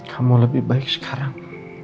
kamu lebih baik sekarang